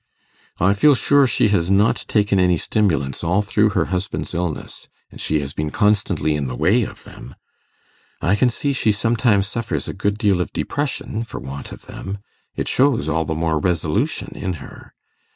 'I feel sure she has not taken any stimulants all through her husband's illness; and she has been constantly in the way of them. I can see she sometimes suffers a good deal of depression for want of them it shows all the more resolution in her.